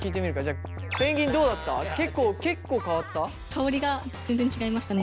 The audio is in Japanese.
香りが全然違いましたね。